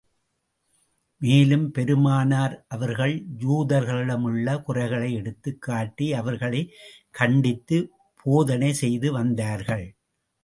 மேலும், பெருமானார் அவர்கள் யூதர்களிடமுள்ள குறைகளை எடுத்துக் காட்டி, அவர்களைக் கண்டித்து போதனை செய்து வந்தார்கள்.